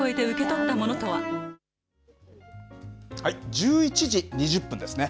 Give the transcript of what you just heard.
１１時２０分ですね。